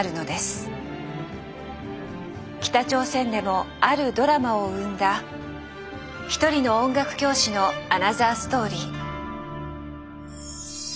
北朝鮮でもあるドラマを生んだ一人の音楽教師のアナザーストーリー。